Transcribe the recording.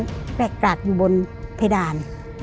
โดนแต่กากอยู่บนเพดาน